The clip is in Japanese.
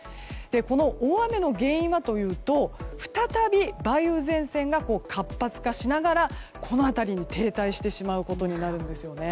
この大雨の原因はというと再び梅雨前線が活発化しながらこの辺りに停滞してしまうことになるんですよね。